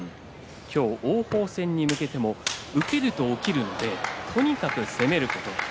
王鵬戦で負けて受けると落ちるのでとにかく攻めること。